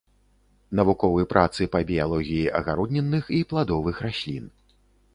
Навуковы працы па біялогіі агароднінных і пладовых раслін.